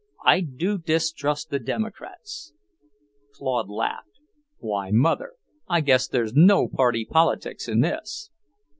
I do distrust the Democrats." Claude laughed. "Why, Mother, I guess there's no party politics in this."